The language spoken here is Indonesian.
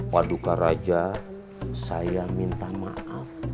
waduka raja saya minta maaf